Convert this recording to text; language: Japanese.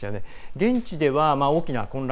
現地では大きな混乱